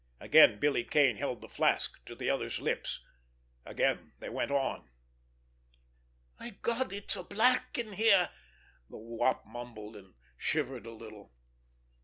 Again Billy Kane held the flask to the other's lips. Again they went on. "My Gawd, it's—it's black in here!" the Wop mumbled, and shivered a little.